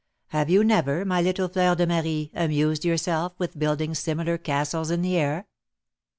Have you never, my little Fleur de Marie, amused yourself with building similar 'castles in the air?'"